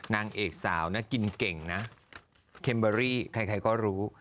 นางเอกสาวนะกินเก่งนะเคมเบอรี่ใครก็รู้